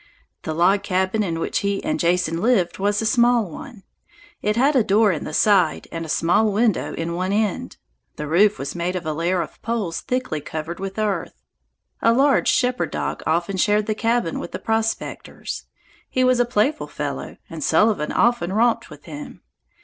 The log cabin in which he and Jason lived was a small one; it had a door in the side and a small window in one end. The roof was made of a layer of poles thickly covered with earth. A large shepherd dog often shared the cabin with the prospectors. He was a playful fellow, and Sullivan often romped with him.